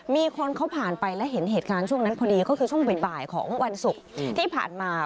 มีคนเขาผ่านไปและเห็นเหตุการณ์ช่วงนั้นพอดีก็คือช่วงบ่ายของวันศุกร์ที่ผ่านมา